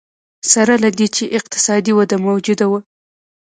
سره له دې چې اقتصادي وده موجوده وه.